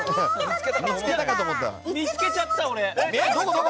見つけちゃった、俺！